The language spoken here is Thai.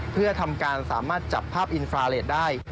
เพื่อทำการสามารถจับภาพอินฟราเลสได้